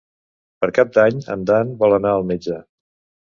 Per Cap d'Any en Dan vol anar al metge.